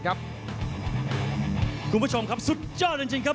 คุณผู้ชมครับสุดยอดจริงครับ